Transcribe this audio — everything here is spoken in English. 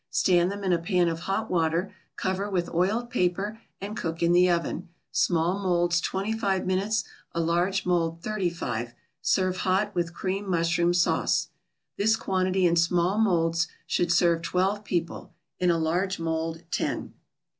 Stand them in a pan of hot water, cover with oiled paper and cook in the oven, small molds twenty five minutes, a large mold thirty five. Serve hot, with cream mushroom sauce. This quantity in small molds should serve twelve people; in a large mold, ten.